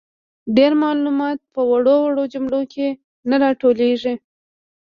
ډیر معلومات په وړو وړو جملو کي نه راټولیږي.